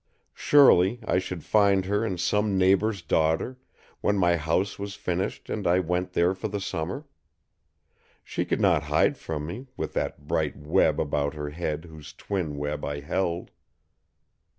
Surely I should find her in some neighbor's daughter, when my house was finished and I went there for the summer? She could not hide from me, with that bright web about her head whose twin web I held.